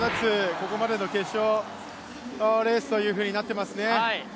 ここまでの決勝レースになってますね。